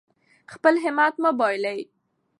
خپل همت مه بایلئ.